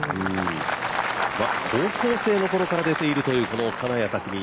高校生の頃から出ているというこの金谷拓実。